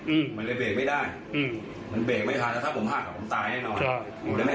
อืมมันเลยเบรกไม่ได้อืมมันเบรกไม่ทันแล้วถ้าผมหักก็ผมตายแน่นอน